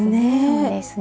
そうですね。